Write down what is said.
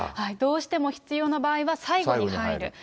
どうしても必要な場合は最後に入る。